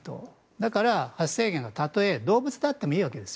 だから、発生源がたとえ動物でもいいわけです。